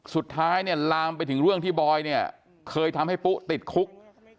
สุดท้ายเนี่ยลามไปถึงเรื่องที่บอยเนี่ยเคยทำให้ปุ๊ติดคุก